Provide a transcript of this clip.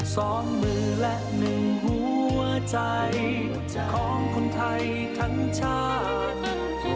สองมือและหนึ่งหัวใจของคนไทยทั้งชาติ